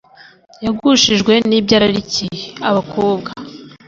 yagushijwe n’ibyo ararikiye (abakobwa)